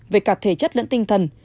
về cả thể chất lẫn tinh thần